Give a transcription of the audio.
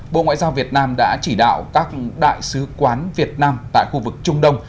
bộ ngoại giao việt nam đã chỉ đạo các đại sứ quán việt nam tại khu vực trung đông